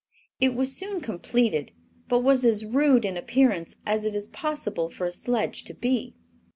It was soon completed, but was as rude in appearance as it is possible for a sledge to be.